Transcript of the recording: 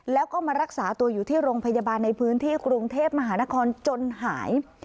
แล้วก็มารักษาตัวอยู่ที่โรงพยาบาลในพื้นที่กรุงเทพมหานครจนหาย